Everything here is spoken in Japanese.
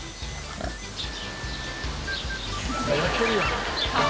やってるやん。